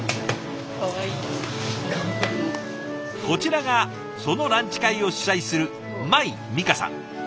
こちらがそのランチ会を主催する舞美芳さん。